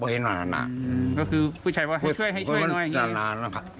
ก็คือผู้ชายว่าให้ช่วยให้ช่วยหน่อยอย่างนี้